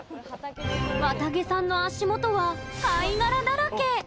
わたげさんの足元は貝殻だらけ。